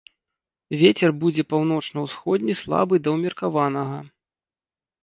Вецер будзе паўночна-ўсходні слабы да ўмеркаванага.